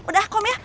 udah kom ya